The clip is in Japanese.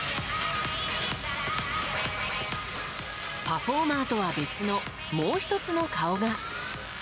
パフォーマーとは別のもう１つの顔が。